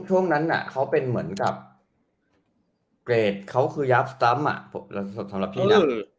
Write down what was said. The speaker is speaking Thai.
ช่วงนั้นเขาเป็นเหมือนกับเกรดยาฟส์ตั๊มสำหรับพี่นัก